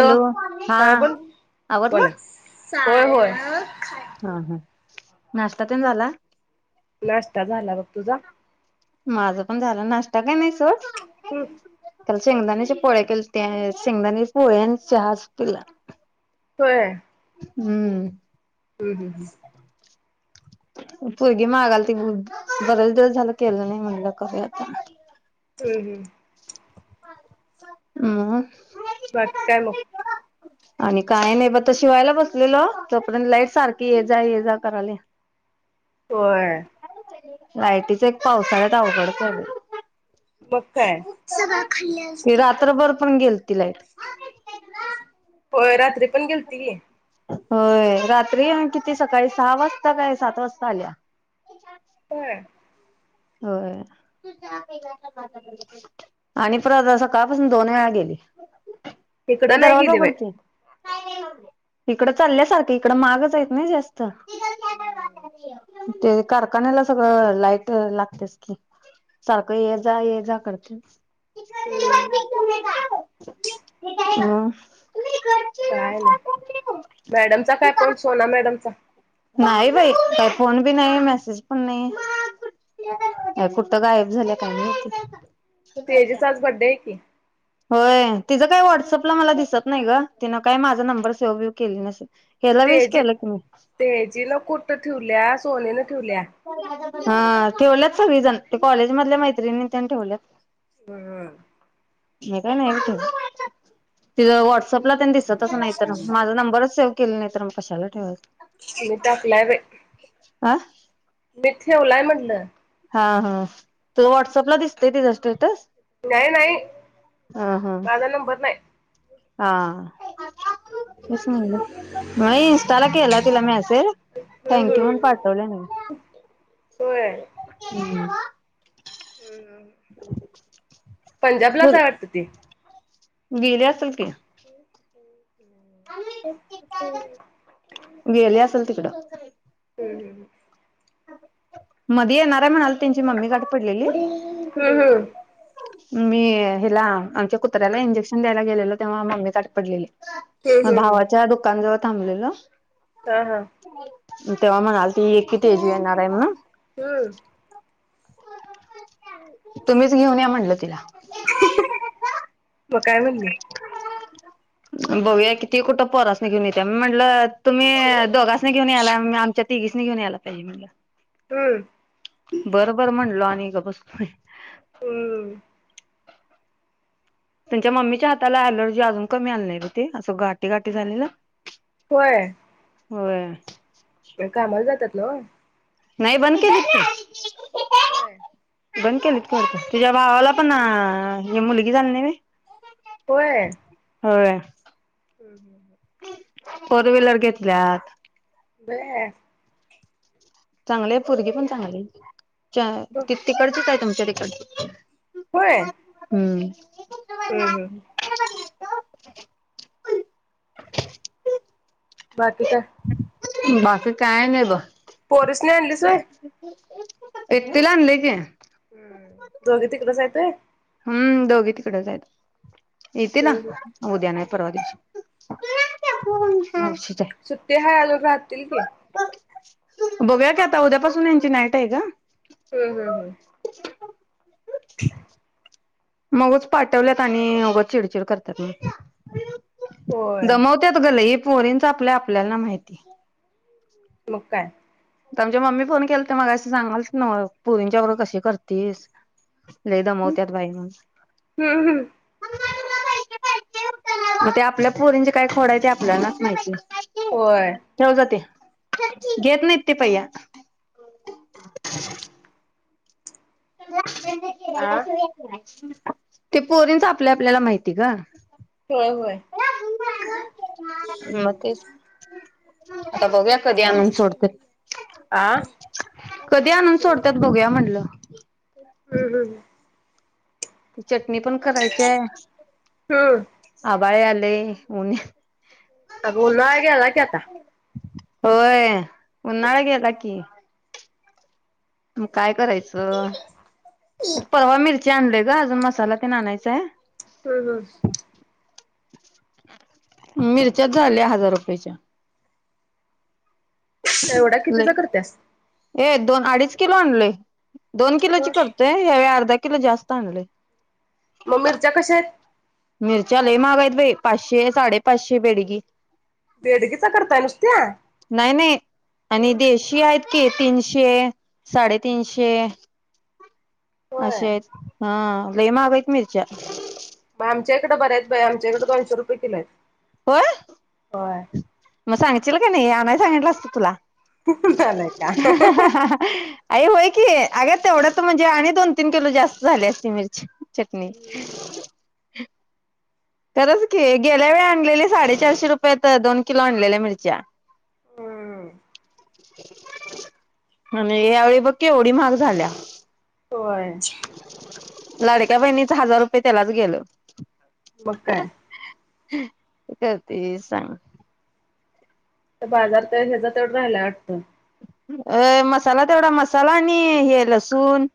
Hello हा बोला आवरलं होय होय हा हा नाष्टा तेन झाला? नाश्ता झाला बघ, तुझा? माझा पण झालं नाश्ता काय नाही सोड हम् काल शेंगदाण्याच्या पोळ्या केलत्या, शेंगदाणीची पोळ्या आणि चहाच पिला. होय हम्म हम्म हम्म पुर्गी मागालती, बरेच दिवस झाला केलं नाही म्हटलं करूया आता. हम् हम् मग? बाकी काय मग? आणि काय नाही ब आता शिवायला बसलेलो, तोपर्यंत लाईट सारखी ये जा -ये जा कराल्या. होय लायटीच एक पावसाळ्यात अवघडच आहे बाई मग काय ते रात्रभर पण गेलती लाईट होय रात्री पण गेलती की होय रात्री आणि किती सकाळी सहा वाजता, काय सात वाजता आल्या. होय? होय आणि परत सकाळपासन दोन वेळा गेली इकडं नाही गेली बाई इकड चालल्यासारखं इकड मागच आहेत नाय जास्त त ते कारखान्याला सगळं लाईट लाग त्याच की सारखं ये जा ये जा करत्याच हम् [inaudible] म [inaudible] काय नाही मॅडमचा काय फोन सोना मॅडमचा नाही बाई काही फोन बी नाही, मेसेज पण नाही, कुठ गायब झाल्या काय माहिती तेजसचा आज बड्डे आहे की होय तिचं काही व्हॉट्सअपला मला दिसत नाही ग तिनं काही माझा नंबर सेव बिव केली नसेल. ह्याला विश तेजी केलं की मी तेजी ला कुठ ठेवलीया सोनीन ठेवलिया हा ठेवल्यात सगळीजण ते कॉलेज मधल्या मैत्रिणी तेन ठेवल्यात. बरं मी काय नाय ठेवलं तिज व्हॉट सपला तेन दिसतच नाही तर माझा नंबरच सेव केली नाही तर तर मग कशाला ठेवायच. तिन टाकलाय बाई आ मी ठेवलाय म्हनल हा हा तु व्हॉट्सअपला दिसतोय तिचां स्टेटस नाही नाही हा हा माझा नंबर नाही. हा तेच म्हणल नाही इन्स्टाला केला तिला मेसेज हम्म थँंक यू म्हण हम्म पाठवल्या नी होय [inaudible] बोल पंजाबलाचय हाय वाटतं ती गेली असलं की गेली असेल तिकडं हम्म हम्म हम्म मधी येणारे म्हणाल त्यांची मम्मी गाठ पडलेली पुढे हम्म हम्म मी हिला आमच्या कुत्र्याला इंजेक्शन द्यायला गेलेलो तेव्हा मम्मी गाठ पडलेली. हम्म मग हम्म भावाच्या दुकान जवळ थांबलेलो हा हा म तेव्हा म आलती की तेजू येणारे म्हणून हम्म तुम्हीच घेऊन या म्हणलं तिला. मग काय म्हणली? बघूया की ती कुठं पोरासनी घेऊन येतिया म म्हंणलं तुम्ही दोघा घेऊन आयलाय आम-आमच्या तिघीसनी घेऊन यायला पाहिजे म्हणलं हम्म बर बर म्हणलो आ मी गप बसतोय हम्म. त्यांच्या मम्मीच्या हाताला अँलर्जी अजून कमी आली नाही गं ते. असं गाटी गाटी झालेलं. होय. होय. कामाला जात्यात? [inaudible] नाही बन केलीत की. होय. बंद केलीत की वाटतं. तिज्या भावाला पण हे अ मुलगी झाली नाही व्हय. होय. होय [inaudible] फोर व्हीलर घेतल्यात. [unintelligible] चांगलीय पोरगी पण चांगलीय [unintelligible] तीकडचिच हाय तुम होय [unintelligible] हम्म. हम्म हम्. [unintelligible] बाकी काय? बाकी काय नाही ब. पोरिस [unintelligible] एकटीला आणलयकी. हम्म दोघं तिकडंच हाईत व्हय? हम्म दोघे तिकडच हायत. येतीला व्हय उद्या नाइ परवादीशी. सुट्टी हाय अजून राहतील की. बोलुया की आता. उद्यापासून यांची नाईट आहे ग. ह.. ह.. ह [inaudible] मगच पाठवल्यात. आणि अगं चिडचिड करतात म. होय दमवत्यात ग लई. पोरींच आपल्या आपल्याला माहीती. म काय? आमच्या मम्मी फोन केलता. मला असं सांगालच ना पोरींच्या बरोबर कशी करतीयेस? लई दमवत्यात बाई म. हम्म हम्म म त्या आपल्या पोरींच्या काय खोडाच्या आपल्यालाच माहिती. होय ठेऊ जा ते. घेत नाहीत तेे पया [inaudible] [inaudible] आ ते पोरीनच. आपल्या आपल्याला माहीती ग. होय.. होय. मग तेच आता बघुया कधी आणून सोडतोय आ कधी आणून सोडतात बघूया म्हटलं. हम्म हम्म [unintelligible] मी पण करायचे आहे हम्म आबाळ यायलय होय अगं उन्हाळा गेला की आता होय उन्हाळा गेला की. म काय करायच परवा मिरची आणलोय. का अजून मसाला ते आणायचाय. हम्म हम्म मिरच्याच झाल्या हजार रुपयाच्या. एवढ्या कितीच्या करत्यास? ये दोन अडीच किलो आणलोय. दोन किलोची करतोय यावेळी अर्धा - किलो जास्त आणलोय मग मिरच्या कशा आहेत? मिरच्या लही महाग आहेत बाई पाचशे साडे पाचशे बेडगी. बेडगीचा करताय नुसत्या? नाही नाही आणि देशी आहेत तीनशे साडेतीनशे आशा होय आहेत हा. लय महाग आहेत मिरच्या. मग आमच्या इकडं बऱ्या आमच्याकडे दोनशे रुपये किलो आहेत होय होय. मग सांगशील का नाही अनाय सांगितलं असतं तुला. [unintelligible] झालाय का. आई होय की अग तेवढं तर म्हणजे आणि दोन तीन किलो जास्त झाली असती मिरची चटनी. [unintelligible] खरंच की गेल्या वेळी आणलेली साडेचारशे रुपये त दोन किलो आणलेल्या मिरच्या हम्म आणि या वेळी बघ की केवढी महाग झाल्या. होय. [unintelligible] लाडक्या बहिणीच हजार रुपये त्यालाच गेलं. मग काय करते सांग तर बाजार चा ह्याचा तेवढा राहिलाय वाटतं. अ मसाला तेवढा मसाला आणि हे लसूण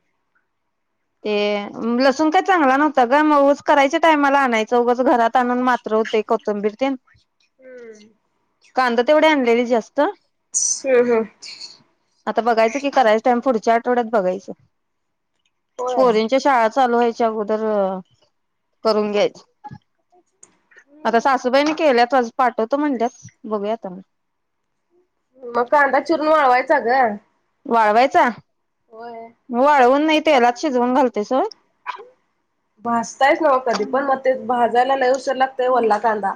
ते लसूण काय चांगला नव्हता ग मग उगाच करायच्या टायमाला आणायचा उगाच घरात प्रमाण मात्र होते कोथिंबीर तेन हम्म. कांदा तेवढे आणलेली जास्त [inaudible] आता बघायचं कि करायच टाइम पुढ च्या आठवड्यात बघायचं. होय पोरींच्या शाळा चालू व्हय च्या अगोदर करून घ्यायचो आता सासूबाईने केल्याचच पाठवतो म्हणल्यात बघूया आता मग मग कांदा चिरून वाळवायचा ग वाळवायचा होय वाळवून नाही तेलात शिजवून घालतेस व्हय भाजतायत ना व कधी पण मग ते भाजायला लई उशीर लागतोय वल्ला कांदा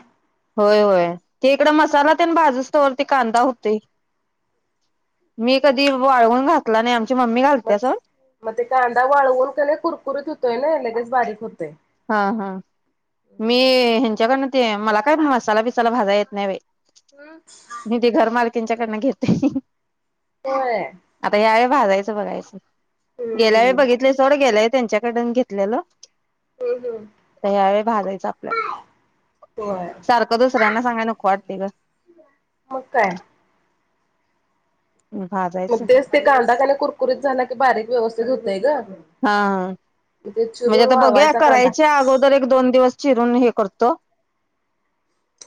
होय होय ते इकड मसाला तेन भाजसतो वर ते कांदा होते मी कधी वाळवून घातला नाही आमची मम्मी मग घालते स मग ते कांदा वाळवून का नाही कुरकुरीत होतोय ना लगेच बारीक होत हा हा मी ह्यांच्याकडन ते मला काय मसाला बिसाला भाजाय येत नाही बाई हम्म. त्यांच्याकडन घेते होय. आता यावेळी भाजायचं बघायचं गेल्या वेळे हम्म बघितलेय सोड गेलंय त्यांच्याकडून घेतलेलं हम्म हम्म आता ह्या वेळे भाजायचं आपल्या होय सारखं दुसऱ्यांना सांगाया नको वाटते ग मग काय भाजायचं मध्येच ते कांदा का नी कुरकुरीत झाला की बारीक व्यवस्थी धुते ग मग हा हा ते म्हणजे चिरून आता बघूया वाळवायचा कांदा करायच्या अगोदर एक दोन दिवस चिरून हे करतो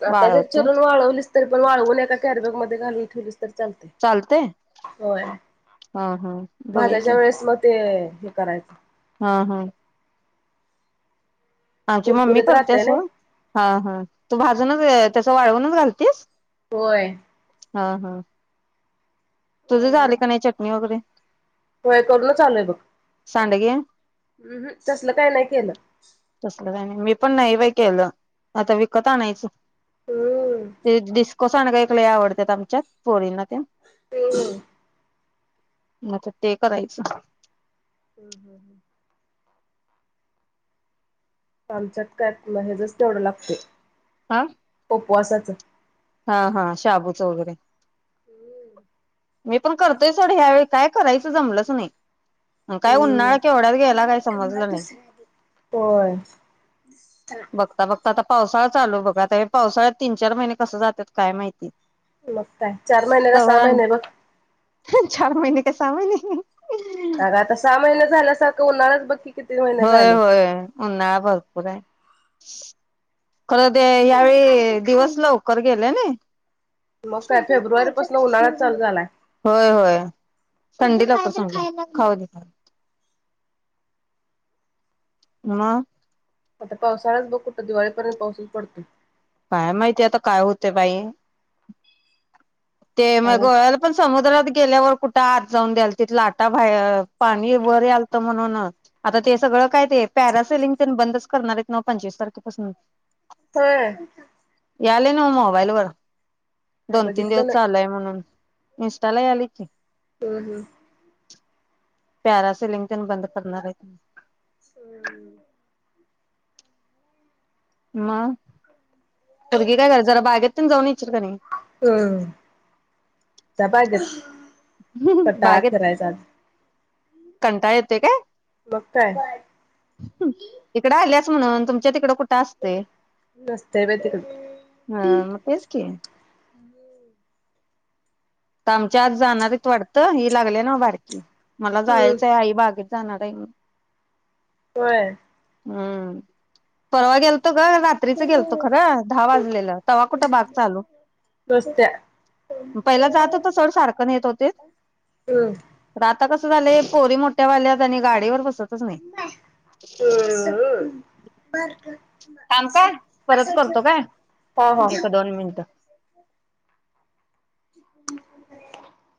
आता जर वाळवतो. चिरून वाळवलीस तरी पण वाळवून एका कॅरीबॅग मध्ये घालून ठेवलीस तर चालते चालतय होय हा हा बघूया की भाज्याच्या वेळेस मग ते हे करायचं हा हा आमची मम्मी कुरकुरीत करते राहते अस ना हा हा तू भाजन ते तस वाळवूनच घालतेस होय हा हा तुझ झाले वाळवूनच की नाही चटणी वगैरे होय करूनच आलय बघ सांडगे हुम हुं तसल काय नाही केलं तसलं काय नाही मी पण नाही बाई केलं आता विकत आणायचं हम्म ते डिस्को सांडग आहेत लय आवडतात आमच्या पोरींना त्या तेण म आता ते करायचं. हम्म हम् हम् आमच्यात काय मग हेचच तेवढं लागतय हा उपवासाच हा हा शाबूच वगैरे मी पण करतोय सोड ह्या वेळी काय करायचं जमलंच नाही. मग काय उन्हाळा हम्म केवढ्यात गेयला काही समजलं नाही. होय बघता बघता.... आता पावसाळा चालू बघा आता ह्या पावसाळ्यात तीन चार महिने कसं जातात काय माहिती मग काय चार महिन्याला तवर सहा महिने आणि बघ चार महिने का सहा महिने अगं आता सहा महिने झाल्यासारखं होणारच बघ की किती महिने होय झालं होय उन्हाळा भरपूर आहे. खर ते यावेळी दिवस लवकर गेले नाही. मग काय फेब्रुवारी पासून उन्हाळाच चालू झालाय होय होय संडे संडे दाखव संडे खाऊ दे मला हं आता पावसाल्यात बघ कुठं दिवाळीपर्यंत पाऊसच पडतो काय माहिती आता काय होते बाई ते मग अजून गोव्याला पण समुद्रात गेल्यावर कुठे आत जाऊन द्याल तिथ लाटा पाणी वर आलत म्हणून आता ते सगळं काय ते प्यारा सिलिंग तेन बंदच करणार आहेत नव्ह पंचवीस तारखे पासून हम्म यालय ना मोबाईल वर काय दोन तीन दिवस बघितलं नाही. चालू आहे म्हणून निसटायला यायला लागलय की हम् हम पॅरा सिलिंगजन बंद करणार आहे हम् म भुगी काय कर जरा बागेत प जा हम् जबा पडताळात ठेरायचा कंटा येते काय बघताय इकडं आल्यास तुमच्या तिक असते नसते बाई तिकड हा मग तेच की आमच्या आज जाणारीत वाडतं ही लागली ना बारकी मला हम्म जायचं आहे आई बागेत आ होय हम्म परावाल ग रात्रीच गेलतो खर दहा वाजलेलं तेव्हा कुठ बाग चालू नसत्या पहि ज सारख नाहीेत होते हम्म आता कसं झालंय पोरी मोठ्या वाल्यात आणि गाडीवर बसतच नाही बर का ांब काय परत करतो का हा हा एक दोन मिनिट [inaudible]